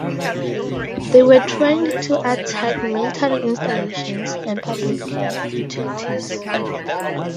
They were trained to attack military installations and public utilities.